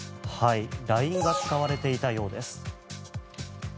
ＬＩＮＥが使われていたようです。